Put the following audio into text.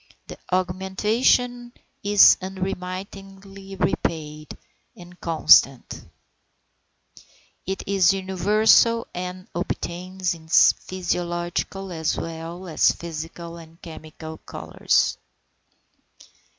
The augmentation is unremittingly rapid and constant; it is universal, and obtains in physiological as well as in physical and chemical colours.